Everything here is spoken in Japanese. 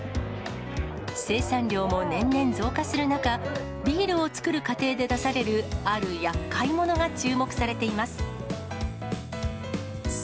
生産量も年々増加する中、ビールを造る過程で出されるあるやっかいものが注目されています。